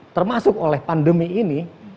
termasuk oleh pandemi ini